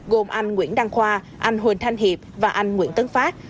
gồm anh nguyễn đăng khoa anh huỳnh thanh hiệp và anh nguyễn tấn phát